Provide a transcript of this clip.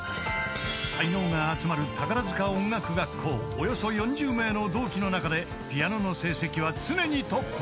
およそ４０名の同期の中でピアノの成績は常にトップ］